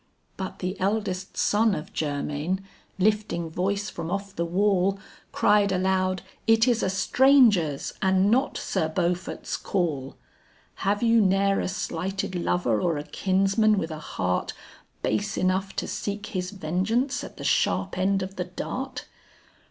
But the eldest son of Germain lifting voice from off the wall, Cried aloud, "It is a stranger's and not Sir Beaufort's call; Have you ne'er a slighted lover or a kinsman with a heart Base enough to seek his vengeance at the sharp end of the dart?"